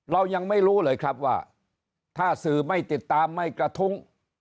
เรายังไม่รู้เลยครับว่าถ้าสื่อไม่ติดตามไม่กระทุ้ง